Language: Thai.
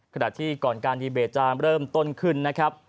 ขณะที่ก่อนการดีเบตจะเริ่มต้นขึ้นนะครับ